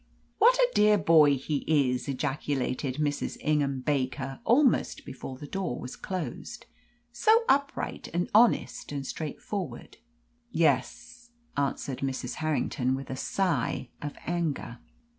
"What a dear boy he is!" ejaculated Mrs. Ingham Baker almost before the door was closed. "So upright and honest and straightforward." "Yes," answered Mrs. Harrington, with a sigh of anger.